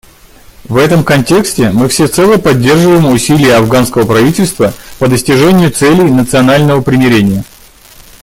В этом контексте мы всецело поддерживаем усилия афганского правительства по достижению целей национального примирения.